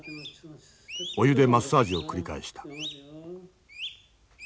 お湯でマッサージを繰り返した。